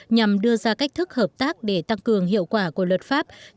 nhằm đưa ra cách thức hợp tác để tăng cấp lực lượng của các tổ chức về chống khủng bố